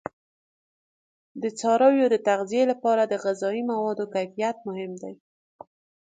د څارویو د تغذیه لپاره د غذایي موادو کیفیت مهم دی.